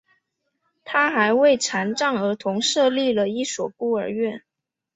他还为残障儿童设立了一所孤儿院。